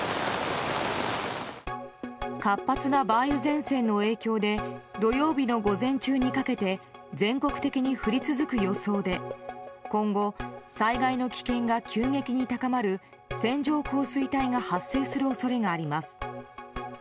活発な梅雨前線の影響で土曜日の午前中にかけて全国的に降り続く予想で今後、災害の危険が急激に高まる線状降水帯が発生する恐れがあります。